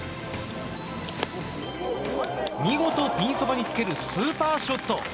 見事ピンそばにつけるスーパーショット。